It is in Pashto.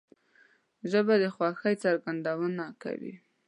ژبه د خوښۍ څرګندونه کوي